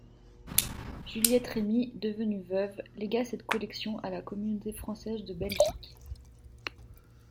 Juliette Rémy, devenue veuve, légua cette collection à la Communauté française de Belgique.